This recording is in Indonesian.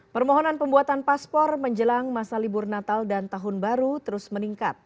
permohonan pembuatan paspor menjelang masa libur natal dan tahun baru terus meningkat